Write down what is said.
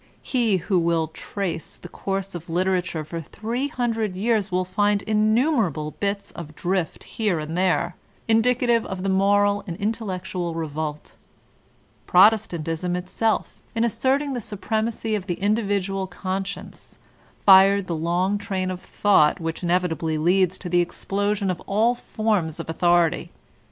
He who will trace the course of literature for three hundred years will find innumerable bits of drift here and there, indicative of the moral and intellectual revolt Protestantism itself, in asserting the supremacy of the individual conscience, fired the long train of thought which inevitably leads to the explosion of all forms of authority.